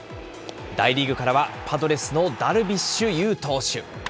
大リーグからはパドレスのダルビッシュ有投手。